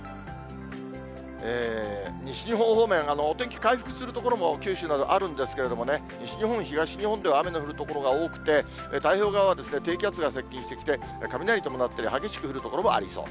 西日本方面、お天気回復する所も九州などあるんですけれどもね、西日本、東日本では雨の降る所が多くて、太平洋側は低気圧が接近してきて、雷を伴ったり、激しく降る所もありそう。